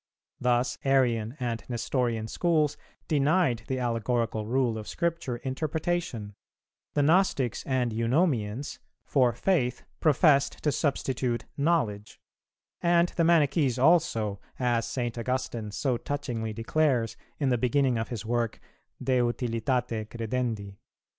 Thus Arian and Nestorian schools denied the allegorical rule of Scripture interpretation; the Gnostics and Eunomians for Faith professed to substitute knowledge; and the Manichees also, as St. Augustine so touchingly declares in the beginning of his work De Utilitate credendi.